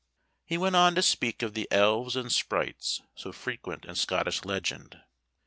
He went on to speak of the elves and sprites, so frequent in Scottish legend.